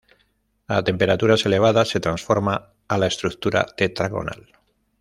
A temperaturas elevadas, se transforma a la estructura tetragonal.